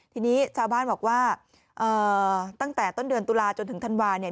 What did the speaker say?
ทีนี้ชาวบ้านบอกว่าตั้งแต่ต้นเดือนตุลาจนถึงธันวาเนี่ย